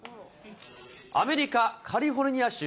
アメリカ・カリフォルニア州。